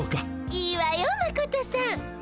いいわよマコトさん。